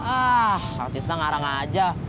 ah artisnya ngarang aja